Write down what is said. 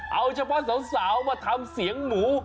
เอาเฉพาะสาวมาทำเสียงหมู